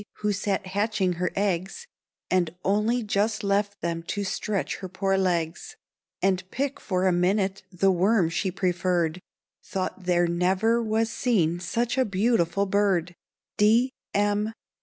who sat hatching her eggs, And only just left them to stretch her poor legs, And pick for a minute the worm she preferred, Thought there never was seen such a beautiful bird. _D. M.